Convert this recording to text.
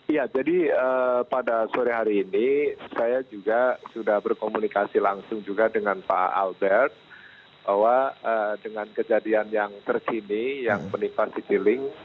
iya jadi pada sore hari ini saya juga sudah berkomunikasi langsung juga dengan pak albert bahwa dengan kejadian yang terkini yang menimpa citylink